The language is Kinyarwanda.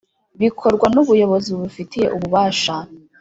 bikorwa n Ubuyobozi bubifitiye ububasha